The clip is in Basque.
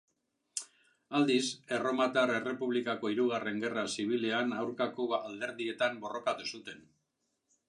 Aldiz, Erromatar Errepublikako Hirugarren Gerra Zibilean aurkako alderdietan borrokatu zuten.